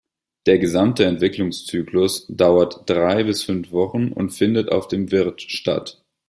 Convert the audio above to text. Der gesamte Entwicklungszyklus dauert drei bis fünf Wochen und findet auf dem Wirt statt.